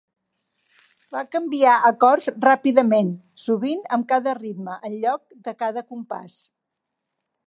Va canviar acords ràpidament, sovint amb cada ritme, en lloc de cada compàs.